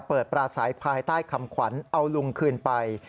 ปราศัยภายใต้คำขวัญเอาลุงคืนไป